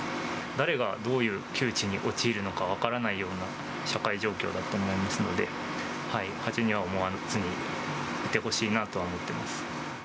誰がどういう窮地に陥るのか分からないような社会状況だと思いますので、恥には思わずにいてほしいなとは思ってます。